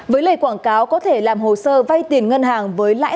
với lời quảng cáo có thể làm hồ sơ vay tiền ngân hàng